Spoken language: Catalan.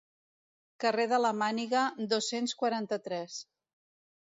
Carrer de la màniga, dos-cents quaranta-tres.